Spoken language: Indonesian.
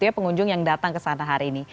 terima kasih pengunjung yang datang kesana hari ini